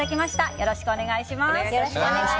よろしくお願いします。